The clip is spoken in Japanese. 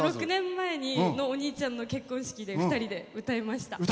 ６年前のお兄ちゃんの結婚式で２人で歌いました。